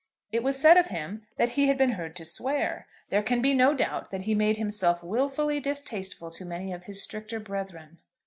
It was said of him that he had been heard to swear. There can be no doubt that he made himself wilfully distasteful to many of his stricter brethren.